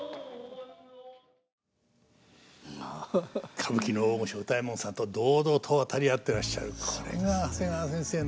歌舞伎の大御所歌右衛門さんと堂々と渡り合ってらっしゃるこれが長谷川先生の芸の大きさですね。